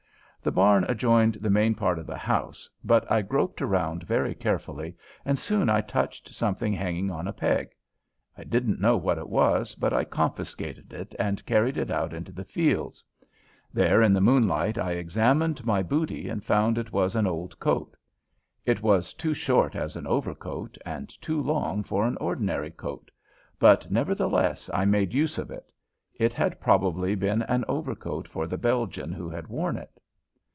The barn adjoined the main part of the house, but I groped around very carefully and soon I touched something hanging on a peg. I didn't know what it was, but I confiscated it and carried it out into the fields. There in the moonlight I examined my booty and found it was an old coat. It was too short as an overcoat and too long for an ordinary coat, but nevertheless I made use of it. It had probably been an overcoat for the Belgian who had worn it.